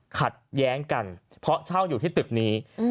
ขัดแย้งกันเพราะเช่าอยู่ที่ตึกนี้